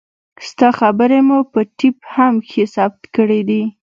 ستا خبرې مو په ټېپ هم کښې ثبت کړې دي.